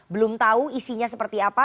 belum tahu isinya seperti apa